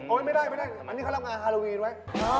โอ๊ยไม่ได้อันนี้เขาทำงานฮาโลวีนไว้